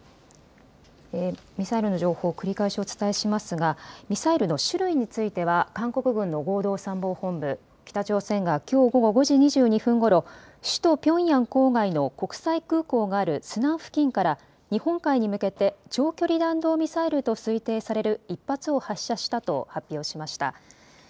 ミサイルの情報、繰り返しお伝えしますが、ミサイルの種類については韓国軍の合同参謀本部、北朝鮮がきょう午後５時２２分ごろ、首都ピョンヤン郊外の国際空港があるスナン付近から日本海に向けて長距離弾道ミサイルと推定される１発を発射したと発表しました。